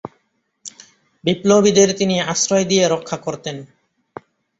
বিপ্লবীদের তিনি আশ্রয় দিয়ে রক্ষা করতেন।